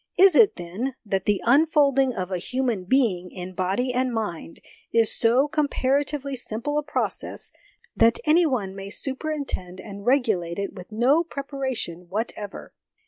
Is it, then, that the unfolding of a human being in body and mind is so comparatively simple a process that any one may superintend and regulate it with no preparation whatever?